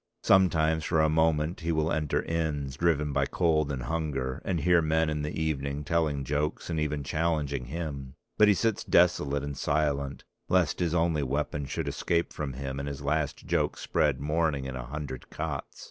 Sometimes for a moment he will enter inns, driven by cold and hunger, and hear men in the evening telling jokes and even challenging him; but he sits desolate and silent, lest his only weapon should escape from him and his last joke spread mourning in a hundred cots.